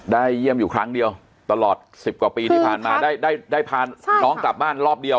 เยี่ยมอยู่ครั้งเดียวตลอด๑๐กว่าปีที่ผ่านมาได้พาน้องกลับบ้านรอบเดียว